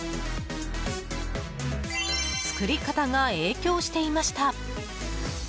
作り方が影響していました。